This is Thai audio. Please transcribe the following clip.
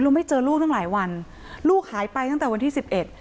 แล้วไม่เจอลูกตั้งหลายวันลูกหายไปตั้งแต่วันที่สิบเอ็ด